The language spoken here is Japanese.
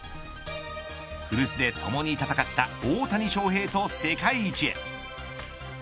古巣でともに戦った大谷翔平と世界一へ。